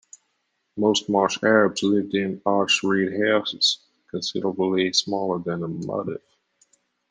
Most Marsh Arabs lived in arched reed houses considerably smaller than a "mudhif".